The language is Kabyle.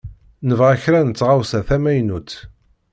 Nebɣa kra n tɣawsa tamaynutt.